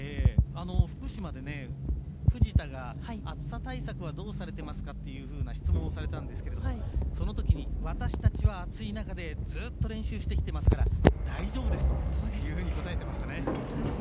福島で藤田が暑さ対策はどうされていますかという質問をされたんですがそのときに、私たちは暑い中でずっと練習してきてますから大丈夫ですと答えてましたね。